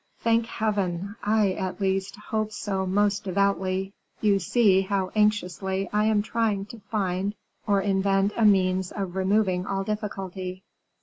"Thank Heaven! I, at least, hope so most devoutly; you see how anxiously I am trying to find or invent a means of removing all difficulty.